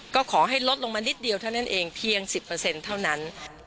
ก็ขอให้ลดลงมานิดเดียวเท่านั้นเองเพียง๑๐เท่านั้น